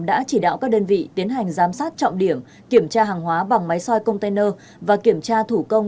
đã chỉ đạo các đơn vị tiến hành giám sát trọng điểm kiểm tra hàng hóa bằng máy soi container và kiểm tra thủ công